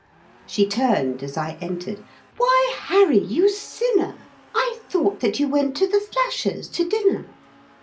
She turned as I entered "Why, Harry, you sinner, I thought that you went to the Flashers' to dinner!"